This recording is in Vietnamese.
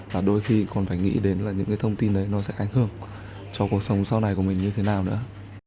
và đôi khi còn phải nghĩ đến là những cái thông tin đấy nó sẽ ảnh hưởng cho cuộc sống sau này của mình như thế nào nữa